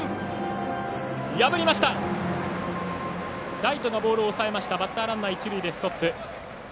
ライトがボールを抑えてバッターランナー一塁でストップ。